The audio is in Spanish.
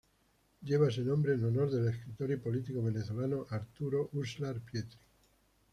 Lleva ese nombre en honor del escritor y político venezolano Arturo Uslar Pietri.